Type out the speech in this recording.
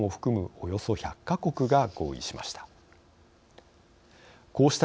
およそ１００か国が合意しました。